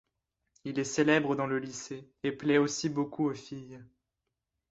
Il est célèbre dans le lycée et plait aussi beaucoup aux filles.